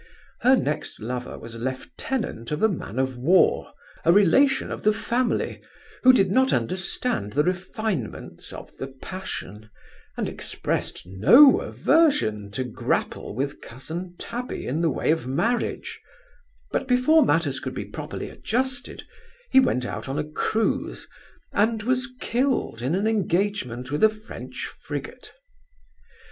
Her next lover was lieutenant of a man of war, a relation of the family, who did not understand the refinements of the passion, and expressed no aversion to grapple with cousin Tabby in the way of marriage; but before matters could be properly adjusted, he went out on a cruise, and was killed in an engagement with a French frigate.